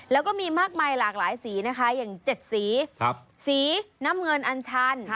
แล้วก็มีมากมายหลากหลายสีนะคะอย่าง๗สีสีน้ำเงินอันชัน